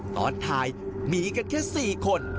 ตอนถ่ายมีกันแค่๔คน